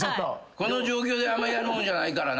この状況であんまやるもんじゃないからな。